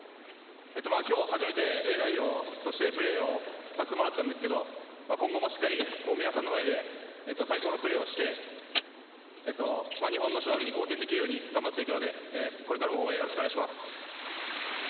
今日初めてＡ代表としてプレーをさせてもらったんですけど、今後もしっかり皆さんの前で最高のプレーをして、日本の勝利に貢献できるように頑張っていくので、これからも応援金近